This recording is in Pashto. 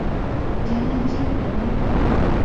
جنت چېرته دى.